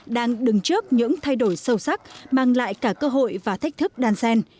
đang đứng trước những thay đổi sâu sắc mang lại cả cơ hội và thách thức đàn xen